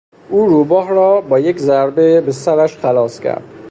او روباه را با یک ضربه به سرش خلاص کرد.